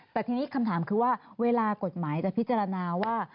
แต่ทีนี้คำถามคือว่าเวลากฎหมายจะพิจารณาว่า